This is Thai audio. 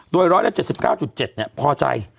โดย๑๗๙๗พอใจ